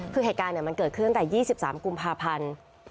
คือเหตุการณ์เนี่ยมันเกิดขึ้นตั้งแต่ยี่สิบสามกุมภาพันธุ์